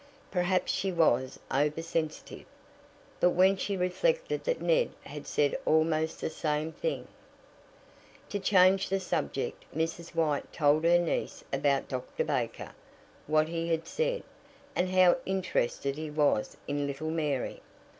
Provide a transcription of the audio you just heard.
Perhaps she was over sensitive. But when she reflected that Ned had said almost the same thing To change the subject Mrs. White told her niece about Dr. Baker, what he had said, and how interested he was in little Mary.